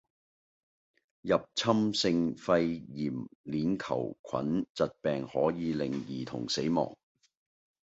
入侵性肺炎鏈球菌疾病可以令兒童死亡